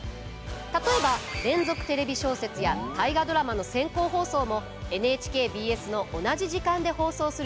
例えば「連続テレビ小説」や「大河ドラマ」の先行放送もＮＨＫＢＳの同じ時間で放送する予定です。